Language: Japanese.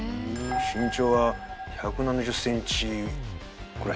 身長は１７０ｃｍくらいか。